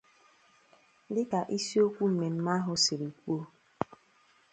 dịka isiokwu mmemme ahụ siri kwuo